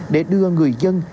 để đưa người dân